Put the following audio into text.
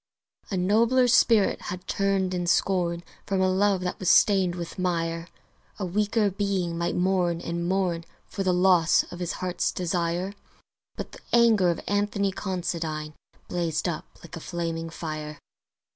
A nobler spirit had turned in scorn From a love that was stained with mire; A weaker being might mourn and mourn For the loss of his Heart's Desire: But the anger of Anthony Considine Blazed up like a flaming fire.